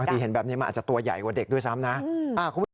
เห็นแบบนี้มันอาจจะตัวใหญ่กว่าเด็กด้วยซ้ำนะ